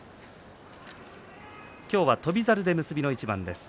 今日は翔猿で結びの一番です。